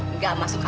enggak masuk akal